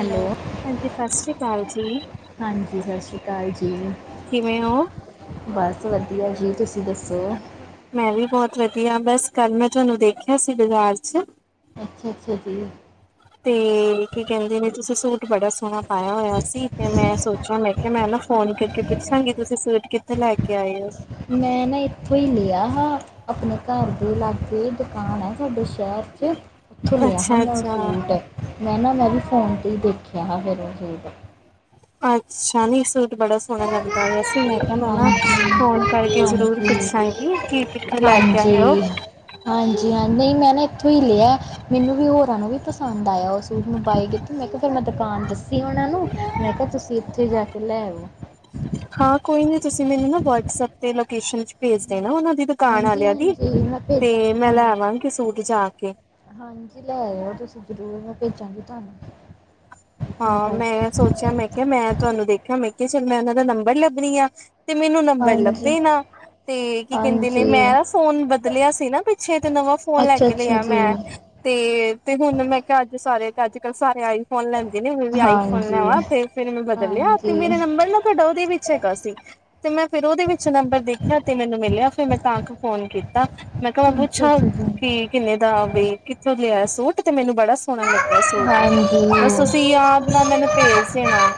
Hello ਹਾਂਜੀ ਸਸ ਸ੍ਰੀ ਕਾਲ ਜੀ। ਹਾਂਜੀ, ਸਸ ਸ੍ਰੀ ਕਾਲ ਜੀ। ਕਿਵੇਂ ਹੋ? ਬਸ ਵਧੀਆ ਜੀ ਤੁਸੀਂ ਦੱਸੋ। ਮੈਂ ਵੀ ਬਹੁਤ ਵਧੀਆ, ਬਸ ਕੱਲ ਮੈਂ ਤੁਹਾਨੂੰ ਦੇਖਿਆ ਸੀ ਬਾਜ਼ਾਰ ਚ। ਅੱਛਾ-ਅੱਛਾ ਜੀ। ਤੇ ਕੀ ਕਹਿੰਦੇ ਵੀ ਤੁਸੀਂ ਸੂਟ ਬੜਾ ਸੋਹਣਾ ਪਾਇਆ ਹੋਇਆ ਸੀ ਤੇ ਮੈਂ ਸੋਚਿਆ ਮੈਂ ਕਿਹਾ ਮੈਂ ਨਾ ਫੋਨ ਕਰਕੇ ਪੁੱਛ ਛਾਂਗੀ ਤੁਸੀਂ ਸੂਟ ਕਿੱਥੇ ਲੈ ਕੇ ਆਏ ਹੋ। ਮੈਂ ਨਾ ਇੱਥੋਂ ਹੀ ਲਿਆ ਹ ਆਪਣੇ ਘਰ ਦੇ ਲਾਗੇ। ਦੁਕਾਨ ਹੈ ਸਾਡੇ ਸ਼ਹਿਰ ਚ ਓਥੋਂ ਲਿਆ ਅੱਛਾ ਮੈਂ ਇਹ ਅੱਛਾ। ਸੂਟ। ਮੈਂ ਨਾ ਮੈਂ ਵੀ ਫੋਨ ਤੇ ਹੀ ਦੇਖਿਆ ਹਾਂ ਫਿਰ ਉਹ ਸੂਟ। ਅੱਛਾ ਨੀ ਸੂਟ ਬੜਾ ਸ ਸੋਹਣਾ ਲਗਦਾ ਪਿਆ ਸੀ ਮੈਂ ਕਿਹਾ ਮੈਂ ਨਾ ਫੋਨ ਹਾਂਜੀ ਕਰਕੇ ਜ਼ਰੂਰ ਹਾਂਜੀ ਪੁੱਛਾਂਗੀ ਕਿ ਕਿੱਥੇ ਲੈ ਕੇ ਆਇਓ? ਹਾਂਜੀ ਹਾਂਜੀ ਹਾਂ ਨਹੀ ਮੈਂ ਨਾ ਇੱਥੋਂ ਹੀ ਲਿਆ। ਮੈਨੂੰ ਵੀ ਹੋਰਾ ਨੂੰ ਵੀ ਪਸੰਦ ਆਇਆ ਉਹ ਸੂਟ ਮੈਂ ਬਾਏ ਕੀਤੇ ਮੈਂ ਕਿਹਾ ਫਿਰ ਮੈਂ ਦੁਕਾਨ ਦੱਸੀ ਉਹਨਾਂ ਨੂੰ ਮੈਂ ਕਿਹਾ ਤੁਸੀ ਓਥੇ ਜਾ ਕੇ ਲੈ ਆਵੋ। ਹਾਂ ਕੋਈ ਨੀ ਤੁਸੀ ਮੈਨੂੰ ਨਾ ਵਟਸਐਪ ਤੇ ਲੋਕੇਸ਼ਨ ਚ ਭੇਜ ਦੇਨਾ ਉਹਨਾਂ ਦੀ। ਦੁਕਾਨ ਹਾਂਜੀ ਆਲਿਆਂ ਦੀ ਹਾਂਜੀ ਮੈਂ ਤੇ ਭੇਜਾਂਗੀ ਮੈਂ ਤੁਹਾਨੂੰ ਲੈਵਾਂਗੀ ਸੂਟ ਜਾ ਕੇ। ਹਾਂਜੀ ਲੈ ਆਇਓ ਤੁਸੀ ਜ਼ਰੂਰ ਮੈਂ ਭੇਜਾਂਗੀ ਤੁਹਾਨੂੰ। ਤਾਂ ਹਾਂ ਕਰਕੇ ਮੈਂ ਸੋਚਿਆ ਮੈਂ ਕਿਹਾ ਮੈਂ ਤੁਹਾਨੂੰ ਦੇਖਿਆ ਮੈਂ ਕਿਹਾ ਚਲ ਮੈਂ ਉਹਨਾਂ ਦਾ ਨੰਬਰ ਲੱਭਣੀ ਆ। ਤੇ ਮੈਨੂੰ ਨੰਬਰ ਹਾਂਜੀ ਲੱਭੇ ਨਾ। ਤੇ ਕੀ ਕਹਿੰਦੇ ਨੇ ਹਾਂਜੀ ਮੈਂ ਨਾ ਫੋਨ ਬਦਲਿਆ ਸੀ ਨਾ ਪਿੱਛੇ ਤੇ ਨਵਾਂ ਫੋਨ ਲੈ ਅੱਛਾ ਕੇ ਅੱਛਾ ਲਿਆ ਜੀ ਮੈਂ। ਤੇ, ਤੇ ਹੁਣ ਮੈਂ ਕਿਹਾ ਅੱਜ ਸਾਰੇ ਅੱਜ ਕੱਲ ਸਾਰੇ ਆਈਫੋਨ ਲੈ ਦੇ ਨੇ ਵੀ ਆਈਫੋਨ ਹਾਂਜੀ ਲੈਵਾ ਤੇ ਫਿਰ ਮੈਂ ਬਦਲਿਆ ਤੇ ਹਾਂਜੀ ਮੇਰਾ ਨੰਬਰ ਨਾ ਤੁਹਾਡਾ ਉਹਦੇ ਵਿੱਚ ਹੈਗਾ ਸੀ। ਤੇ ਮੈਂ ਫੇਰ ਉਹਦੇ ਵਿੱਚ ਨੰਬਰ ਦੇਖਿਆ ਤੇ ਮੈਨੂੰ ਮਿਲਿਆ ਫਿਰ ਮੈਂ ਤਾਂ ਫੋਨ ਕੀਤਾ। ਮੈਂ ਕਿਹਾ ਓ ਅੱਛਾ ਪੁੱਛੋ ਅੱਛਾ ਜੀ ਕੀ ਕਿੰਨੇ ਦਾ ਵੈ ਕਿੱਥੋਂ ਲਿਆ ਸੂਟ ਤੇ ਮੈਨੂੰ ਬੜਾ ਸੋਹਣਾ ਲੱਗਿਆ ਹਾਂਜੀ ਸੂਟ। ਹਾਂਜੀ ਬਸ ਤੁਸੀਂ ਯਾਦ ਨਾ ਮੈਨੂੰ ਭੇਜ ਦੇਣਾ।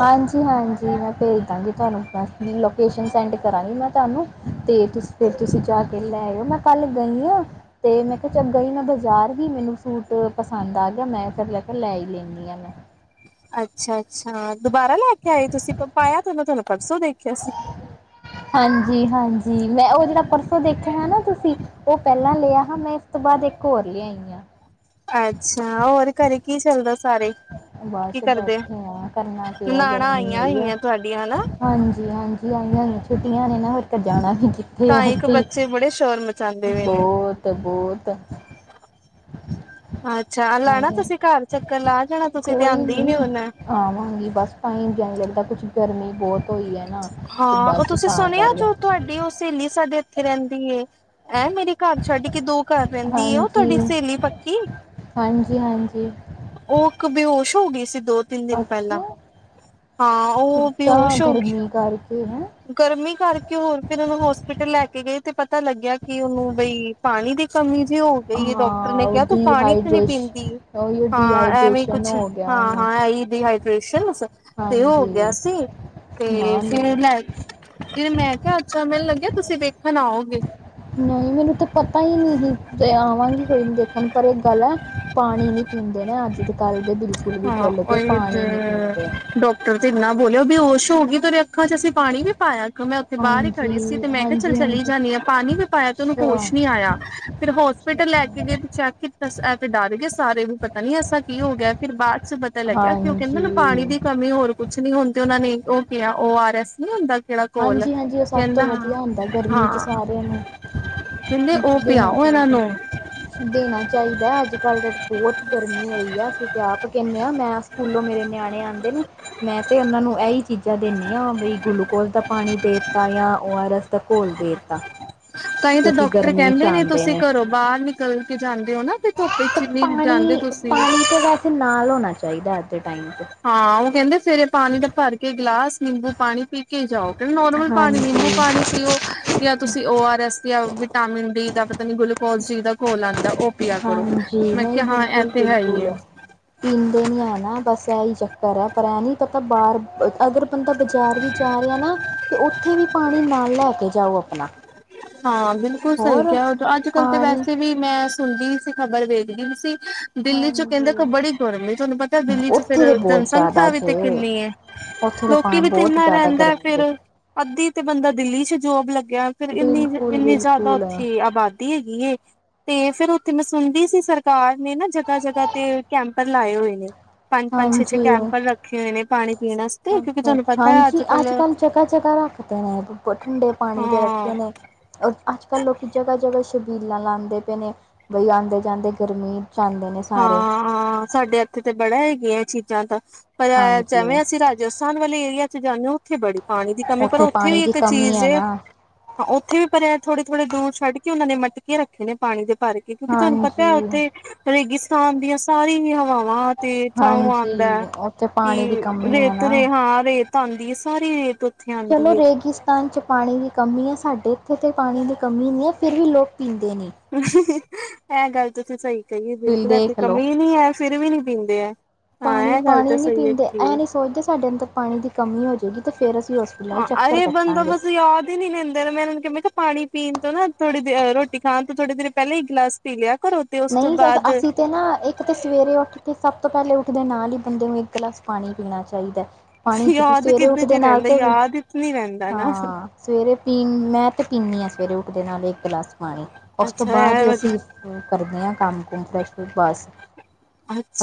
ਹਾਂਜੀ-ਹਾਂਜੀ ਮੈਂ ਭੇਜ ਦਾਗੀ ਤੁਹਾਨੂੰ ਬ ਲੋਕੇਸ਼ਨ ਸੈਂਡ ਕਰਾਂਗੀ ਮੈਂ ਤੁਹਾਨੂੰ। ਤੇ ਫੇਰ ਤੁਸੀ ਜਾ ਕੇ ਲੈ ਆਇਓ ਮੈਂ ਕੱਲ ਗਈ ਆ ਤੇ ਮੈਂ ਕਿਹਾ ਚਲ ਗਈ ਹਾਂ ਮੈਂ ਬਾਜ਼ਾਰ ਹੀ ਮੈਨੂੰ ਸੂਟ ਪਸੰਦ ਆ ਗਿਆ ਮੈਂ ਫਿਰ ਲੈ ਕੇ ਲੈ ਹੀ ਲੈਂਨੀ ਆ ਮੈਂ। ਅੱਛਾ-ਅੱਛਾ ਦੁਬਾਰਾ ਲੈ ਕੇ ਆਏ ਤੁਸੀ ਪਾਇਆ ਤੇ ਉਹਨੂੰ ਤੁਹਾਨੂੰ ਪਰਸੋਂ ਦੇਖਿਆ ਸੀ। ਹਾਂਜੀ-ਹਾਂਜੀ ਮੈਂ ਉਹ ਜਿਹੜਾ ਪਰਸੋਂ ਦੇਖਿਆ ਹੈ ਨਾ ਤੁਸੀਂ ਉਹ ਪਹਿਲਾਂ ਲਿਆ ਹੈ ਮੈਂ ਉਸ ਤੋਂ ਬਾਅਦ ਇੱਕ ਹੋਰ ਲਿਆਈ ਆ। ਅੱਛਾ ਹੋਰ ਘਰੇ ਕੀ ਚੱਲਦਾ ਸਾਰੇ? ਕੀ ਬਸ ਕਰਦੇ ਬੈਠੇ ਆ ਕਰਨਾ ਕੇ ਹੈ ਨਨਾਣਾ ਗਰਮੀ ਆਈਆਂ ਹੋਈ ਹੈ। ਹੋਈਆਂ ਤੁਹਾਡੀਆਂ ਹਨਾ ਹਾਂਜੀ-ਹਾਂਜੀ ਆਈਆ ਹੋਈਆ ਛੁੱਟੀਆਂ ਨੇ ਨਾ ਹੋਰ ਤਾ ਜਾਣਾ [unintelligible] ਦੇ ਤਾਂ ਇੱਕ ਹਤੀ ਬੱਚੇ ਬੜੇ ਸ਼ੋਰ ਮਚਾਉਂਦੇ ਪਏ ਨੇ। ਬੋਹਤ-ਬੋਹਤ। ਅੱਛਾ ਲਾਣਾ ਆਈਆਂ ਤੁਸੀਂ ਕੱਰ ਚੱਕਰ ਲਾ ਜਾਣਾ ਤੁਸੀਂ ਤੇ ਕੋਈ ਆਉਂਦੇ ਹੀ ਨੀ ਹੁਣ ਆਵਾਂਗੀ ਬਸ ਟਾਈਮ ਜਾ ਨੀ ਲੱਗਦਾ ਕੁਛ ਗਰਮੀ ਬੋਤ ਹਾਂ ਓ ਤੁਸੀਂ ਸੁਣਿਆ ਜੋ ਕਰਕੇ ਤੁਹਾਡੀ ਉਹ ਸਹੇਲੀ ਸਾਡੇ ਇਥੇ ਰਹਿੰਦੀ ਐਂ ਮੇਰੇ ਘਰ ਛੱਡ ਕੇ ਦੋ ਘਰ ਰਹੰਦੀ ਏ ਉਹ ਹਾਂਜੀ, ਤੁਹਾਡੀ ਸਹੇਲੀ ਪੱਕੀ। ਹਾਂਜੀ-ਹਾਂਜੀ ਉਹ ਇੱਕ ਬੇਹੋਸ਼ ਹੋ ਗਈ ਸੀ ਦੋ ਤਿੰਨ ਦਿਨ ਪੇਹਲਾਂ ਅੱਛਾ ਹਾਂ ਉ ਬੇਹੋਸ਼ ਹੋ ਗਈ ਇਹ ਹੈ। ਗਰਮੀ ਕਰਕੇ ਹੋਰ ਫੇਰ ਉਹਨੂੰ ਹੋਸਪਿਟਲ ਲੈ ਕੇ ਗੇ ਤੇ ਪਤਾ ਲੱਗਿਆ ਕਿ ਉਨੂੰ ਬਈ ਪਾਣੀ ਦੀ ਕਮੀ ਵੀ ਹੋ ਗਈ ਏ ਡੋਕਟਰ ਨੇ ਹਾਂ ਉਹ ਕਿਆ ਤੂੰ ਪਾਣੀ ਕਿਓ ਨੀ ਡੀਹਾਈਡ੍ਰੇਸ਼ ਪੀਂਦੀ? ਉਹੀ ਹਾਂ, ਐਵੇਂ ਡੀਹਾਈਡ੍ਰੇਸ਼ਨ ਕੁਛ ਹੋ ਗਿਆ ਹਾਂ, ਉਹਨੂੰ ਹਾਂ ਐ ਹੀ ਡੀਹਾਈਡ੍ਰੇਸ਼ਨ ਤੇ ਉਹ ਹੋ ਗਿਆ ਹਾਂਜੀ ਸੀ। ਤੇ, ਨਾ ਫਿਰ ਲੈ ਫਿਰ ਮੈਂ ਕਿਹਾ ਅੱਛਾ, ਮੈਨੂੰ ਲੱਗਿਆ ਤੁਸੀਂ ਵੇਖਣ ਆਓਗੇ? ਨਹੀਂ, ਮੈਨੂੰ ਤਾਂ ਪਤਾ ਹੀ ਨਹੀਂ ਦੀ ਆਵਾਂਗੀ ਕੋਈ ਨ ਦੇਖਣ ਪਰ ਇਹ ਗੱਲ ਏ। ਪਾਣੀ ਨੀ ਪੀਂਦੇ ਨਾ, ਅੱਜ ਕੱਲ੍ਹ ਦੇ ਬਿਲਕੁਲ ਵੀ ਹਾਂ ਖੁੱਲ੍ਹ ਕੇ ਪਾਣੀ ਨੀ ਪੀਂਦੇ। ਓ ਤੇ ਇਨਾ ਬੋਲਿਆ, ਬੇਹੋਸ਼ ਹੋ ਗਈ ਤੇਰੇ ਅੱਖਾਂ ਚ ਅਸੀਂ ਪਾਣੀ ਵੀ ਪਾਇਆ ਕਿਂ ਮੈਂ ਬਾਹਰ ਹੀ ਖੜੀ ਸੀ ਹਾਂਜੀ ਤੇ ਮੈਂ ਕਿਹਾ ਚੱਲ ਹਾਂਜੀ ਚਲੀ ਹਾਂਜੀ ਜਾਂਦੀ ਹਾਂ, ਪਾਣੀ ਵੀ ਪਾਇਆ ਤੇ ਉਹਨੂੰ ਅੱਛਾ ਹੋਸ਼ ਨਹੀਂ ਆਇਆ ਫਿਰ ਹੋ ਫੇਰ ਅੱਛਾ ਤਾਂ ਲੈ ਕੇ ਗਏ ਅੱਛਾ ਤੇ ਚੈੱਕ ਕੀਤਾ ਇਹ ਤੇ ਡਰ ਗਏ ਸਾਰੇ, ਪਤਾ ਨੀ ਐਸਾ ਕੀ ਹੋ ਗਿਆ? ਫਿਰ ਬਾਅਦ ਚ ਪਤਾ ਲੱਗਿਆ ਕਿ ਉਹ ਕਹਿੰਦੇ ਹਾਂਜੀ ਨੇ ਪਾਣੀ ਦੀ ਕਮੀ, ਹੋਰ ਕੁਛ ਨਹੀਂ ਹੁਣ ਤੇ ਉਹਨਾਂ ਨੇ ਉਹ ਕਿਹਾ, ਓ ਆਰ ਐਸ ਨੀ ਹੁੰਦਾ। ਕਿਹੜਾ ਘੋਲ ਹਾਂਜੀ, ਹਾਂਜੀ ਉਹ ਸਭ ਤੋਂ ਕਹਿੰਦਾ ਹਾਂ ਵਧੀਆ ਹੁੰਦਾ ਗਰਮੀ ਚ ਹਾਂ ਸਾਰਿਆਂ ਨੂੰ। ਕਹਿੰਦੇ ਉਹ ਦੇਣਾ ਪਿਆਓ ਇਹਨਾਂ ਚਾਹੀਦਾ। ਨੂੰ ਦੇਣਾ ਚਾਈਦਾ, ਅੱਜ ਕੱਲ੍ਹ ਬੋਤ ਗਰਮੀ ਹੋਈ ਆ। ਆਪ ਕਹੰਨੇ ਆਾਂ ਮੈਂ, ਸਕੂਲੋਂ ਮੇਰੇ ਨਿਆਣੇ ਆਂਦੇ ਨੇ ਮੈਂ ਤੇ ਓਨਾਂ ਨੂੰ ਏਹੀ ਚੀਜ਼ਾਂ ਦੇਨੀ ਆ ਬਈ, ਗਲੂਕੋਜ ਤਾ ਪਾਣੀ ਦੇ ਤਾ ਯਾ ਅੋ, ਆਰ, ਏਸ ਦਾ ਘੋਲ ਦੇਤਾ। ਤਾਂਈ ਤਾਂ ਡਾਕਟਰ ਕਹੰਦੇ ਨੇ, ਤੁਸੀਂ ਕਰੋਂ ਬਾਰ ਨਿਕਲ ਕੇ ਜਾਂਦੇ ਹੋ ਨਾ ਤੇ ਤੂੱਪੇ ਜਿੰਨੀ ਵੀ ਜਾਂਦੇ ਪਾਣੀ ਤੁਸੀਂ ਪਾਣੀ ਤਾਂ ਵੈਸੇ ਤੇ ਨਾਲ ਹੋਣਾ ਚਾਹੀਦਾ ਅੱਜ ਦੇ ਟਾਈਮ ਤੇ। ਹਾਂ, ਉ ਕਹਿੰਦੇ ਸਵੇਰੇ ਪਾਣੀ ਦਾ ਭਰ ਕੇ ਗਿਲਾਸ ਨਿੰਬੂ ਪਾਣੀ ਪੀ ਕੇ ਜਾਓ ਕਿ ਨੋਰਮਲ ਪਾਣੀ, ਹਾਂਜੀ ਨਿੰਬੂ ਪਾਣੀ ਪੀਓ ਜਾਂ ਤੁਸੀਂ ਉ ਆਰ ਦਸਦੇ ਆ ਵਿਟਾਮਿਨ ਡੀ ਦਾ ਪਤਾ ਨੀ ਗੁਲੂ ਪੋਲਸੀ ਦਾ ਘੋਲ ਆਂਦਾ, ਓ ਪੀਆ ਕਰੋ ਹਾਂਜੀ ਮੈਂ ਨਹੀਂ ਕਿਆ ਹਾਂ, ਏ ਬਿਲਕੁਲ ਤਾ ਹੈ ਹੀ ਏ। ਬਿਲਕੁਲ ਪੀਂਦੇ ਨੀ ਹੈ ਨਾ ਬਸ ਏਹੀ ਚੱਕਰ ਹੈ, ਪਰ ਹੈਨੀ ਪਤਾ ਬਾਹਰ ਅਗਰ ਬੰਦਾ ਬਜ਼ਾਰ ਵੀਚ ਜਾ ਰਿਆ ਨਾ ਤੇ ਉੱਥੇ ਵੀ ਪਾਣੀ ਨਾਲ ਲੈ ਕੇ ਜਾਓ ਆਪਣਾ। ਹਾਂ, ਬਿਲਕੁਲ ਸਈ ਹੋਰ ਕਿਹਾ ਅੱਜ ਕੱਲ ਤਾਂ ਪਾਣੀ ਵੈਸੇ ਵੀ ਮੈਂ ਸੁਣਦੀ ਵੀ ਸੀ, ਖ਼ਬਰ ਵੇਖਦੀ ਵੀ ਸੀ ਦਿੱਲੀ ਚ ਕਿਹੰਦੇ ਹਾਂਜੀ ਬੜੀ ਗਰਮੀ ਤੋਨੂੰ ਪਤਾ ਦਿੱਲੀ ਚ ਫਿਰ ਉੱਥੇ ਤਾਂ ਬਹੁਤ ਜ਼ਿਆਦਾ ਸੰਖਿਆ ਵੀ ਤੇ ਜੇ ਕਿੰਨੀ ਏ, ਉੱਥੇ ਤਾਂ ਪਾ ਲੋਕੀ ਵੀ ਤੇ ਬਹੁਤ ਏੰਨਾ ਜ਼ਿਆਦਾ ਰਹਿੰਦਾ ਗਰਮੀ ਫਿਰ ਜੇ ਅੱਧੀ ਤੇ ਬੰਦਾ ਦਿੱਲੀ ਚ ਜੋਬ ਲੱਗਿਆ, ਫਿਰ ਇੰਨੀ ਬਿਲਕੁਲ ਇੰਨੀ ਜ਼ਾਦਾ ਬਿਲਕੁਲ ਉੱਥੇ ਆਬਾਦੀ ਹੈਗੀ ਏ। ਤੇ ਫੇਰ ਉੱਥੇ ਮੈਂ ਸੁਣਦੀ ਸੀ ਸਰਕਾਰ ਨੇ ਨਾ ਜਗ੍ਹਾ, ਜਗ੍ਹਾ ਤੇ ਕੈਂਪਰ ਲਾਏ ਹੋਏ ਨੇ। ਪੰਜ, ਪੰਜ ਛੇ, ਛੇ। ਹਾਂਜੀ ਕੈਂਪਰ ਰੱਖੇ ਹੋਏ ਨੇ ਪਾਣੀ ਪੀਣ ਵਾਸਤੇ ਕਿਉਂਕਿ ਤੁਹਾਨੂੰ ਪਤਾ ਹੈ ਹਾਂਜੀ, ਅੱਜ ਕੱਲ ਜਗਾ ਜਗਾਾ ਰੱਖਦੇ ਨੇ ਇਹ। ਠੰਡੇ ਪਾਣੀ, ਦੇ ਹਾਂ ਰੱਖਦੇ ਨੇ ਔਰ ਅੱਜ ਕੱਲ ਲੋਕੀ ਜਗ੍ਹਾ, ਜਗਾ ਛਬੀਲਾਂ ਲਾਂਦੇ ਪੈਣੇ ਬਈ ਆਉਦੇ ਜਾਂਦੇ ਗਰਮੀ ਚ ਜਾਂਦੇ ਨੇ। ਸਾਰੇ ਹਾਂ, ਹਾਂ ਸਾਡੇ ਇੱਥੇ ਤੇ ਬੜਾ ਹੈਗੀਆਂ ਚੀਜ਼ਾਂ ਤਾ ਪਰ ਹਾਂਜੀ ਜੈਵੇਂ ਅਸੀਂ ਰਾਜ ਸਾਨ ਵਾਲੇ ਏਰੀਆ ਚ ਜਾਂਨੇ ਓ ਉੱਥੇ ਬੜੀ ਪਾਣੀ ਦੀ ਕਮੀ, ਪਰ ਉੱਥੇ ਪਾਣੀ ਵੀ ਦੀ ਇੱਕ ਕਮੀ ਚੀਜ਼ ਹੈ ਏ ਨਾ ਹਾਂ, ਉੱਥੇ ਵੀ ਪਰ ਏ ਥੋੜੇ ਥੋੜੇ ਦੂਰ ਛੱਡ ਕੇ ਓਨਾਂ ਨੇ ਮਟਕੇ ਰੱਖੇ ਨੇ ਪਾਣੀ ਦੇ ਭਰ ਕਿਉਂਕਿ ਤੁਆਨੂੰ ਪਤਾ, ਹਾਂਜੀ ਉੱਥੇ ਰੇਗਿਸਤਾਨ ਦੀਆਂ ਸਾਰੀਆਂ ਹੀ ਹਵਾਵਾਂ ਤੇ ਤਾ ਓ ਆਂਦਾ ਹਾਂਜੀ ਉੱਥੇ ਪਾਣੀ ਦੀ ਕਿ ਕਮੀ ਹੈ ਰੇਤ ਨਾ ਰੇ, ਹਾਂ ਰੇਤ ਆਂਦੀ ਸਾਰੀ ਰੇਤ ਉੱਥੇ ਚਲੋ ਆਉਂਦੀ ਹੈ। ਰੇਗੀਿਸ ਤਾਨ ਚ ਪਾਣੀ ਦੀ ਕਮੀ ਏ ਸਾਡੇ ਇੱਥੇ ਤਾਂ ਪਾਣੀ ਦੀ ਕਮੀ ਨੀ ਏ ਫਿਰ ਵੀ ਲੋਕ ਪੀਂਦੇ ਨੀਂ। ਇਹ ਗੱਲ ਤੁਸੀਂ ਸਹੀ ਕਹੀ ਏ ਬਿਲ ਬਿਲਕੁਲ, ਇਥੇ ਦੇਖ ਲਓ ਕਮੀ ਨੀ ਹੈ ਫਿਰ ਵੀ ਨੀ ਪੀਂਦੇ ਹੈ। ਹਾਂ ਪਾਣੀ, ਇਹ ਗੱਲ ਪਾਣੀ ਤਾਂ ਨੀ ਸਹੀ ਪੀਂਦੇ ਹੈਗੀ ਏ ਹੈ। ਨੀ ਸੋਚਦੇ ਸਾਡੇ ਅੰਦਰ ਪਾਣੀ ਦੀ ਕਮੀ ਹੋ ਜਾਏਗੀ ਤੇ ਫੇਰ ਅਸੀਂ ਹੋਸਪਿਟਲ ਅਰੇ ਬੰਦੋਬਸ। ਦਿ ਅੰਦਰ ਮੈਂ ਉਹਨਾਂ ਨੂੰ ਕਿਹਾ, ਕਿਹਾ ਪਾਣੀ ਪੀਣ ਤੋਂ ਨਾ ਥੋੜੀ ਦੇ ਰੋਟੀ ਖਾਣ ਤੋਂ ਥੋੜ੍ਹੀ ਦੇਰ ਪਹਿਲਾਂ ਹੀ ਗਲਾਸ ਪੀ ਲਿਆ ਕਰੋ ਤੇ। ਉਸ ਤੋਂ ਨਹੀਂ, ਤਾਂ ਬਾਅਦ ਅਸੀਂ ਤੇ ਨਾ ਇੱਕ ਤਾਂ ਸਵੇਰੇ ਉੱਠ ਕੇ ਸਭ ਤੋਂ ਪਹਿਲੇ ਉੱਠਦੇ ਨਾਲ ਹੀ ਬੰਦੇ ਨੂੰ ਇੱਕ ਗਲਾਸ ਪਾਣੀ ਪੀਣਾ ਚਾਹੀਦਾ ਫ ਪਾਣੀ ਚ ਤ ਯਾਦ ਸਵੇਰੇ ਕਿੱਦੇ ਉੱਠਦੇ ਚ ਨਾਲ ਰਹਿੰਦਾ ਤੇ, ਯਾਦ ਚ ਨੀ ਰਹਿੰਦਾ ਨਾ ਹਾਂ। ਸਵੇਰੇ ਪੀ ਮੈਂ ਤੇ ਪੀਣੀ ਆ, ਸਵੇਰੇ ਉੱਠਦੇ ਨਾਲ ਇੱਕ ਗਲਾਸ ਪਾਣੀ। ਓਸ ਤੋਂ ਅੱਛਾ ਬਾਦ ਐ ਈ ਅਸੀਂ ਵਧੀਆ ਕੰਮ ਕੁਮ ਫਰੈਸ਼ ਬਸ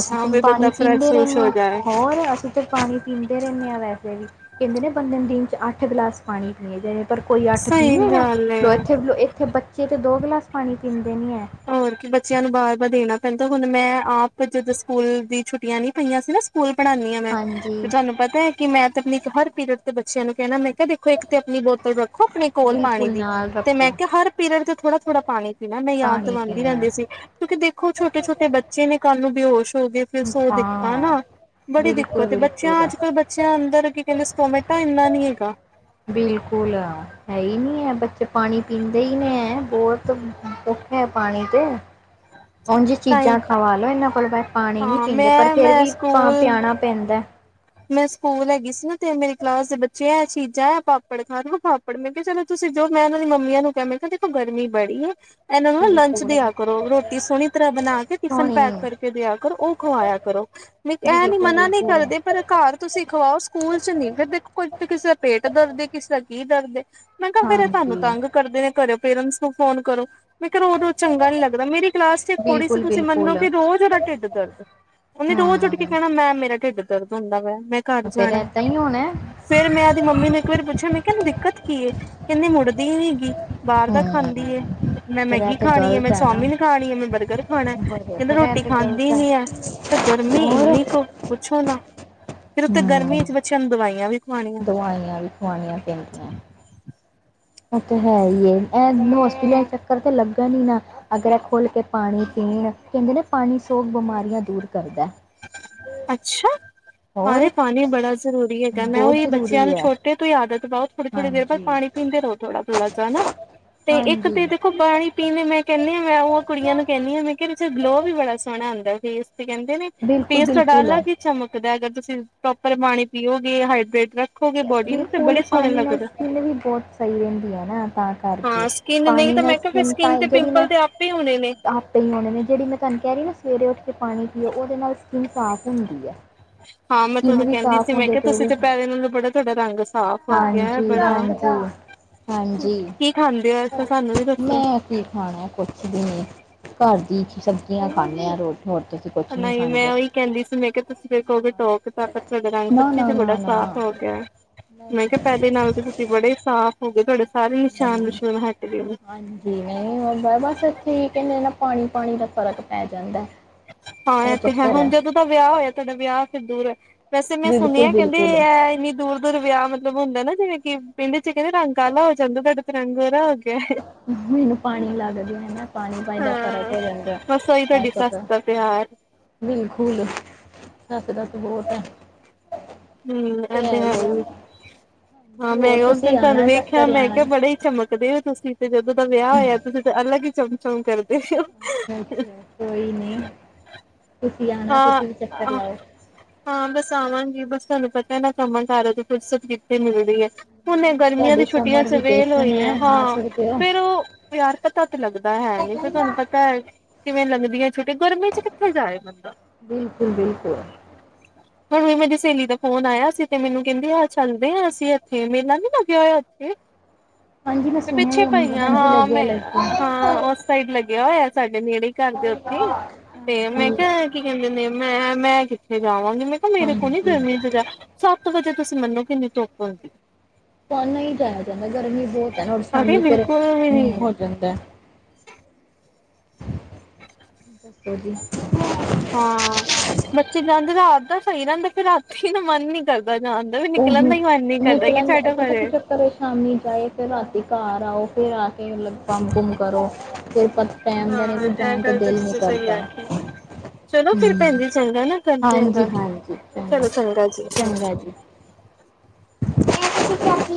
ਅਸੀਂ ਤਾ ਵੀ ਬੰਦਾ ਪਾਣੀ ਫਰੈਸ਼ ਪੀਂਦੇ ਫਰੁਸ਼ ਰਹਿਣੇ ਹੋ ਆ ਜਾਏ ਹੋਰ ਅਸੀਂ ਤਾਂ ਪਾਣੀ ਪੀਂਦੇ ਰਹਿਨੇ ਆ ਵੈਸੇ ਵੀ ਕਹਿੰਦੇ ਨੇ ਬੰਦੇ ਨੂੰ ਦਿਨ ਚ ਅੱਠ ਗਲਾਸ ਪਾਣੀ ਪੀਏ ਜਾ ਪਰ ਕੋਈ ਅੱਠ ਪੀ ਸਹੀ ਲੇਗਾ ਗੱਲ ਏ ਇੱਥੇ ਬੱਚੇ ਤਾਂ ਦੋ ਗਲਾਸ ਪਾਣੀ ਪੀਂਦੇ ਨੀ ਐ ਹੋਰ ਕੀ ਬੱਚਿਆਂ ਨੂੰ ਬਾਰ ਵਾਰ ਦੇਣਾ ਪੈਂਦਾ ਹੁਣ ਮੈਂ ਆਪ ਜਦੋਂ ਸਕੂਲ ਦੀ ਛੁੱਟੀਆਂ ਨੀ ਪਈਆਂ ਸੀ ਨਾ ਸਕੂਲ ਪੜ੍ਹਾਂਨੀ ਆ ਮੈਂ ਤੇ ਹਾਂਜੀ ਤੁਆਨੂੰ ਪਤਾ ਕਿ ਮੈਂ ਤੇ ਆਪਣੀ ਹਰ ਪੀਰਡ ਤੇ ਬੱਚਿਆਂ ਨੂੰ ਕਹਿਣਾ ਮੈਂ ਕਿਆ ਦੇਖੋ ਇੱਕ ਤੇ ਆਪਣੀ ਬੋਤਲ ਰ ਖੋ ਆਪਣੇ ਕੋਲ ਪਾਣੀ ਬਿਲਕੁਲ ਦੀ ਨਾਲ ਤੇ ਰੱਖੋ ਮੈਂ ਕਿਆ ਹਰ ਪੀਰੀਅਡ ਤੇ ਥੋੜਾ ਥੋੜਾ ਪਾਣੀ ਪੀਣਾ ਮੈਂ ਯਾਦ ਪਾਣੀ ਖਾਦੀ ਪੀਣਾ ਰਹਿੰਦੀ ਸੀ। ਕਿਉਂਕਿ ਦੇਖੋ ਛੋਟੇ ਛੋਟੇ ਬੱਚੇ ਨੇ ਕੱਲ੍ਹ ਨੂੰ ਬੇਹੋਸ਼ ਹੋ ਗਏ ਫੇਰ ਸੋ ਦਿੱਤਾ ਹਾਂ ਨਾ ਬੜੀ ਬਿਲਕੁਲ ਦਿੱਕਤ ਏ ਬੱਚਿਆਂ ਚ ਬਿਲਕੁਲ ਅੱਜ ਕੱਲ੍ਹ ਬੱਚਿਆਂ ਅੰਦਰ ਕੀ ਕਹਿੰਦੇ ਸਟੋਮੇਟਾ ਐਨਾ ਨੀ ਹੈਗਾ। ਬਿਲਕੁਲ ਆ। ਹੈ ਹੀ ਨੀ ਖਐ ਬੱਚੇ ਪਾਣੀ ਪੀਂਦੇ ਈ ਨੀ ਐ ਬਹੁਤ ਭੁੱਖ ਹੈ ਪਾਣੀ ਤੇ ਉਜ ਤਾਂ ਹੀ ਚੀਜ਼ਾਂ ਖਵਾ ਲੋ ਇਹਨਾਂ ਕੋਲ ਪਾਣੀ ਨੀ ਹਾਂ ਪੀਂਦੇ ਪਰ ਫੇਰ ਮੈਂ-ਮੈਂ ਵੀ ਸਕੂਲ ਪਿਆਣਾ ਪੈਂਦਾ। ਮੈਂ ਸਕੂਲ ਹੈਗੀ ਸੀ ਨਾ ਤੇ ਮੇਰੀ ਕਲਾਸ ਦੇ ਬੱਚੇ ਐ ਚੀਜਾ ਹੈ ਪਾਪੜ ਖਾਣ ਬਟ ਮੈਂ ਕਿਹਾ ਚਲੋ ਤੁਸੀਂ ਜੋ ਮੈਂ ਉਹਨਾਂ ਦੀ ਮੰਮੀਆਂ ਨੂੰ ਕਿਆਮੈਂ ਕਿਹਾ ਦੇਖੋ ਗਰਮੀ ਬੜੀਐ ਏਨਾ ਨੂੰ ਲੰਚ ਬਿਲਕੁਲ ਦਿਆ ਕਰੋ ਰੋਟੀ ਸੋਹਣੀ ਤਰ੍ਹਾਂ ਬਣਾ ਕੇ ਟਿਫਨ ਸੋਹਣੀ ਪੈਕ ਕਰਕੇ ਦਿਆ ਕਰੋ ਓ ਖਵਾਇਆ ਕਰੋ। ਐ ਨੀ ਬਿਲਕੁਲ ਮਨਾ ਨੀ ਬਿਲਕੁਲ ਕਰਦੇ। ਪਰ ਘਰ ਤੁਸੀਂ ਖਵਾਓ। ਸਕੂਲ ਚ ਨੀ ਫਿਰ ਦੇਖੋ ਕਿਸੇ ਦਾ ਪੇਟ ਦਰਦ ਕਿਸੇ ਦਾ ਕੀ ਦਰਦ ਮੈਂ ਕਿਆ ਫੇਰ ਏ ਤੁਆਨੂੰ ਹਾਂਜੀ ਤੰਗ ਕਰਦੇ ਨੇ ਘਰੇ ਪੇਰੈਂਟਸ ਨੂੰ ਫੋਨ ਕਰੋ ਮੈਂ ਕਿਆ ਰੋ ਰੋਜ਼ ਚੰਗਾ ਨੀ ਲੱਗਦਾ ਮੇਰੀ ਕਲਾਸ ਚ ਇੱਕ ਕੁੜੀ ਸੀ ਬਿਲਕੁਲ ਤੁਸੀਂ ਬਿਲਕੁਲ ਮੰਨੋਗੇ ਰੋਜ਼ ਢਿੱਡ ਦਰਦ ਓਨੇ ਰੋਜ਼ ਉੱਠ ਕੇ ਹੂੰ ਕਹਿਣਾ ਮੈਂ ਮੇਰਾ ਢਿੱਡ ਦਰਦ ਹੁੰਦਾ ਵਾ ਮੈਂ ਘਰ ਫੇਰ ਜਾਣਾ। ਏਦਾਂ ਹੀ ਹੋਣਾ ਫੇਰ ਮੈਂ ਓਦੀ ਮੰਮੀ ਨੂੰ ਇੱਕ ਵਾਰੀ ਪੁੱਛਿਆ ਮੈਂ ਕਿਆ ਏਨੂੰ ਦਿੱਕਤ ਕੀ ਏ ਕਹਿੰਦੀ ਮੁੜਦੀ ਨੀ ਗੀ। ਬਾਰ ਦਾ ਖਾਂਦੀ ਹੂੰ ਏ? ਮੈਂ ਫੇਰ ਇਹ ਮੈਗੀ ਤੇ ਖਾਣੀ ਐ ਮੈਂ ਗ਼ਲਤ ਹੈ ਨਾ ਚੌਮੀਨ ਖਾਣੀ ਐ ਮੈਂ ਬਰਗਰ ਖਾਣਾ ਬੜੇ ਕਹਿੰਦਾ ਫੇਰ ਇਹ ਰੋਟੀ ਤੇ ਗ਼ਲਤ ਖਾਂਦੀ ਹੈ ਨੀ ਐ। ਤੇ ਗਰਮੀ ਹੋਰ ਏਨੀ ਕੁ ਪੁੱਛੋ ਨਾ ਫਿਰ ਉੱਤੇ ਹੂੰ ਗਰਮੀ ਚ ਬੱਚਿਆਂ ਨੂੰ ਦਵਾਈਆਂ ਵੀ ਖਵਾਣੀਆਂ ਦਵਾਈਆਂ ਵੀ ਖਵਾਣੀਆਂ ਪੈਂਦੀਆਂ। ਉਹ ਤਾਂ ਹੈ ਈ ਏ ਹੋਸਪਿਟਲ ਚੱਕਰ ਤਾਂ ਲੱਗਣ ਈ ਨਾ। ਅਗਰ ਐ ਖੁੱਲ ਕੇ ਪਾਣੀ ਪੀਣ ਕਹਿੰਦੇ ਨਾ ਪਾਣੀ ਸੋ ਬਿਮਾਰੀਆਂ ਦੂਰ ਕਰਦਾ। ਅੱਛਾ ਹਾ ਏ ਹੋਰ ਪਾਣੀ ਬੜਾ ਜ਼ਰੂਰੀ ਹੈਗਾ ਮੈਂ ਬਹੁਤ ਓਹੀ ਬੱਚਿਆਂ ਜ਼ਰੂਰੀ ਨੂੰ ਹੈ ਛੋਟੇ ਤੇ ਤੁਸੀ ਆਦਤ ਪਾਓ ਥੋੜੀ ਥੋੜੀ ਦੇਰ ਬਾਦ ਹਾਂਜੀ ਪਾਣੀ ਪੀਂਦੇ ਰਹੋ ਥੋੜਾ ਥੋੜਾ ਜਾ ਤੇ ਇੱਕ ਤੇ ਹਾਂਜੀ ਦੇਖੋ ਪਾਣੀ ਪੀਣੇ ਮੈਂ ਕਹਿਣੀ ਆ ਮੈਂ ਓਕੁੜੀਆਂ ਨੂੰ ਕਹਿਣੀ ਆ ਮੈਂ ਆ ਗਲੋ ਵੀ ਬੜਾ ਸੋਹਣਾ ਆਦਾਂ ਫੇਸ ਤੇ ਕਹਿੰਦੇ ਨੇ ਫੇਸ ਤੁਆਡਾ ਬਿਲਕੁਲ-ਬਿਲਕੁਲ। ਅਲੱਗ ਬਿਲਕੁਲ ਹੀ ਕੇ ਚਮਕਦਾ ਅਗਰ ਤੁਸੀਂ ਪ੍ਰੋਪਰ ਪਾਣੀ ਪੀਓਗੇ ਹਾਈਡ੍ਰੇਟ ਰ ਬਿਲਕੁਲ, ਪਾਣੀ ਨਾਲ ਸਕਿੰਨ ਵੀ ਬਹੁਤ ਸਹੀ ਰਹਿੰਦੀ ਹੈ ਨਾ ਤਾਂ ਕਰਕੇ ਹਾਂ ਸਕਿੰਨ ਨਹੀਂ ਪਾਣੀ ਤਾਂ ਨਾਲ ਮੈਂ ਕਿਹਾ ਫਿਰ ਸਕੂਨ ਸਕਿੰਨ ਤੇ ਟਾਈਟ ਜਿਹੜੀ ਮੈਂ ਪਿੰਪਲ ਤੇ ਆਪੇ ਹੋਣੇ ਨੇ ਟਾਪਿੰਗ ਹੋਣੀ ਨੇ ਜਿਹੜੀ ਮੈਂ ਤੁਹਾਨੂੰ ਕਹਿ ਰਈ ਨਾ ਸਵੇਰੇ ਉੱਠ ਕੇ ਪਾਣੀ ਪੀਓ ਉਦੇ ਨਾਲ ਸਕਿੰਨ ਸਾਫ਼ ਹੁੰਦੀ ਐ ਸਕਿੰਨ ਵੀ ਸਾਫ਼ ਹੁੰਦੀ ਪਈ ਏਦੇ ਚ [unintelligible] ਕੇੜਾ ਰੰਗ ਸੀ। ਹਾਂਜੀ-ਹਾਂਜੀ-ਹਾਂਜੀ ਕੀ ਖਾਂਦੇ ਹੋ ਐਸਾ ਸਾਨੂੰ ਵੀ ਦੱਸੋ? ਮੈਂ ਖਾਣਾ ਕੁਛ ਵੀ ਨੀ ਘਰ ਦੀ ਸਬਜ਼ੀਆਂ ਖਾਂਣੇ ਆ ਰੋਜ਼ ਰੋਜ਼। ਨਈ ਮੈਂ ਇਹੀ ਕਹਿੰਦੀ ਸੀ ਮੈਂ ਕਿਆ ਤੁਸੀਂ ਦੇੇਖੋਗੇ ਧੋ ਕਿ ਤਾਂ [inaudible] ਦਾ ਰੰਗ ਸਭ ਚੀਜ਼ ਨਾ-ਨਾ, ਬੜਾ ਸਾਫ਼ ਹੋ ਗਿਆ ਮੈਂ ਕਿਆ ਨਾ-ਨਾ। ਨਾਲ ਤੁਸੀਂ ਬੜੇ ਸਾਫ਼ ਹੋ ਗੇ ਤੁਹਾਡੇ ਸਾਰੇ ਨਿਸ਼ਾਨ ਹੂੰ ਨਿਸ਼ੂਨ ਹਟ ਗਏ ਨੇ। ਹਾਂਜੀ ਨਹੀਂ ਬਸ ਇੱਥੇ ਹੀ ਕਹਿੰਦੇ ਨਾ ਪਾਣੀ ਪਾਣੀ ਦਾ ਫਰਕ ਪੈ ਜਾਂਦਾ। ਹਾਂ ਇਹ ਤੇ ਹੈ ਚੱਕਰ ਐ, ਹੁਣ ਜਦੋਂ ਦਾ ਵਿਆਹ ਹੋਇਆ ਤੁਹਾਡਾ ਵਿਆਹ ਫਿਰ ਦੂਰ ਹੈ। ਵੈਸੇ ਮੈਂ ਸੁਣਿਆ ਕਹਿੰਦੇ ਬਿਲਕੁਲ-ਬਿਲਕੁਲ। ਇਹ ਹੈ ਇੰਨੀ ਦੂਰ ਦੂਰ ਵਿਆਹ ਮਤਲਬ ਮਤਲਬ ਹੁੰਦਾ ਨਾ ਜਿਵੇਂ ਕਿ ਪਿੰਡ ਚ ਕਹਿੰਦੇ ਰੰਗ ਕਾਲਾ ਹੋ ਜਾਂਦਾ ਤੁਹਾਡਾ ਤੇ ਰੰਗ ਗੋਰਾ ਹੋ ਗਿਆ। ਮੈਨੂੰ ਪਾਣੀ ਲੱਗ ਗਿਆ ਨਾ ਪਾਣੀ ਪਾ ਦਾ ਫ਼ਰਕ ਹਾਂ। ਹੋ ਜਾਂਦਾ। ਬਸ ਉਹੀ ਐ ਤੁਹਾਡੀ ਚੱਕਰ ਸਸਤਾ ਪਿਆਰ। ਬਿਲਕੁਲ ਦੱਸ ਦੱਸ ਬਹੁਤ ਆ। ਉਹ ਤਾਂ ਹੈ ਹੀ ਹਾਂ ਮੈਂ ਹੋਰ ਉਸ ਤੁਸੀਂ ਦਿਨ ਤੁਹਾਨੂੰ ਆਣਾ ਵੇਖਿਆ ਚੱਕਰ ਮੈਂ ਕਿਹਾ ਲਾਣਾ। ਬੜੇ ਚਮਕਦੇ ਹੋ ਤੁਸੀਂ ਤੇ ਜਦੋਂ ਦਾ ਵਿਆਹ ਹੋਇਆ ਤਾਂ ਅਲੱਗ ਹੀ ਚਮਚਮ ਕਰਦੇ ਹੋ। ਅੱਛਾ ਕੋਈ ਨਹੀਂ ਤੁਸੀ ਆਣਾ ਹਾਂ ਤੁਸੀਂ ਵੀ ਚੱਕਰ ਲਾਓ। ਹਾਂ ਬਸ ਆਵਾਂਗੀ ਬਸ ਤੁਹਾਨੂੰ ਪਤਾ ਹੈ ਨਾ ਕੰਮਾਂ ਕਾਰਾਂ ਦੀ ਫੁਰਸਤ ਕਿੱਥੇ ਮਿਲਦੀ ਹੈ। ਹੁਣ ਤੇ ਗਰਮੀਆਂ ਦੀ ਤੁਹਾਡੀ ਛੁੱਟੀਆਂ ਸਮਰ ਚ ਵੇਲ ਵੇਕੇਸ਼ਨ ਹੋਈ ਐ ਹੈ ਆ ਹਾਂ। ਸਕਦੇ ਓ। ਫੇਰ ਉਹ ਪਿਆਰ ਪਤਾ ਤੇ ਲੱਗਦਾ ਹੈ ਨ ਫਰ ਤੁਹਾਨੂੰ ਪਤਾ। ਤਾਂ ਕਿਵੇਂ ਲੰਘਦੀ ਹੈ ਛੁਟੀੀਆਂ ਗਰਮੀ ਚ ਕਿੱਥੇ ਜਾਏ ਬੰਦਾ। ਬਿਲਕੁਲ-ਬਿਲਕੁਲ, ਮੈਨੂੰ ਮੇਰੀ ਸਹੇਲੀ ਦਾ ਫੋਨ ਆਇਆ ਸੀ ਤੇ ਮੈਨੂੰ ਕਹਿੰਦੇ ਆਹ ਚੱਲਦੇ ਹਾਂ ਅਸੀਂ ਇੱਥੇ ਮੇਲਾ ਨੀ ਲੱਗਿਆ ਹੋਇਆ ਇੱਥੇ। ਹਾਂਜੀ ਮੈਂ ਤੇ ਸੁਣਿਆ ਪਿੱਛੇ ਈ ਪਈ ਆ ਹਾਂਜੀ ਹਾਂ ਮੈਂ ਹਾਂ ਲੱਗਿਆ-ਲੱਗਿਆ। ਉਸ। ਸਾਈਡ ਲੱਗਿਆ ਹੋਇਆ ਸਾਡੇ ਨੇੜੇ ਘਰ ਦੇ ਹਾਂਜੀ-ਹਾਂਜੀ। ਉੱਥੇ ਤੇ ਮੈਂ ਕਿਹਾ। ਕੀ ਕਹਿੰਦੇ ਨੇ ਮੈਂ ਮੈਂ ਕਿੱਥੇ ਜਾਵਾਂਗੀ ਮੈਂ ਕਿਹਾ ਮੇਰੇ ਕੋਲ ਨੀ ਗਰਮੀ। ਸੱਤ ਵਜੇ ਤੁਸੀਂ ਮੰਨੋ ਕਿੰਨੀ ਧੁੱਪ ਹੁੰਦੀ। ਪਰ ਨਹੀ ਜਾਇਆ ਜਾਂਦਾ ਗਰਮੀ ਬਹੁਤ ਹੈ ਨੇ ਅਰੇ ਸ਼ਾਮੀ ਬਿਲਕੁਲ ਵੀ ਫਿਰਮ ਨੀ ਹੋ ਜਾਂਦਾ ਹੈ। ਦੱਸੋ ਜੀ। ਹਾਂ ਬੱਚੇ ਜਾਂਦੇ ਰਾਤ ਦਾ ਸਹੀ ਰਹਿੰਦਾ ਫਿਰ ਰਾਤੀ ਨਾ ਮਨ ਨੀ ਕਰਦਾ ਜਾਣ। ਦਾ ਵੀ ਉਹ ਨਿਕਲਣ ਦਾ ਹੀ ਮਨ ਨੀ ਕਰਦਾ ਕਿ ਛੱਡੋ ਪਰੇ। ਘਰੇ ਸ਼ਾਮੀ ਜਾਏ ਫਿਰ ਰਾਤੀ ਘਰ ਆਓ ਫਿਰ ਆ ਕੇ ਮ ਕੰਮ ਕੁਮ ਕਰੋ ਫਿਰ ਟੈਮ ਦਾ ਹਾਂ ਨ ਇਹ ਜਾਣ ਤੇ ਗੱਲ ਤਾਂ ਦਿਲ ਨ ਤੁਸੀਂ ਸਹੀ ਕਰਦਾ। ਆਖੀ ਚਲੋ ਫਿਰ ਹ ਭੈਣ ਜੀ ਚੰਗਾ ਨਾ ਕਰਦੇ ਆ ਹਾਂਜੀ ਗੱਲ ਹਾਂਜੀ ਚੰਗਾ ਚਲੋ ਜੀ ਚੰਗਾ ਜੀ। [inaudible]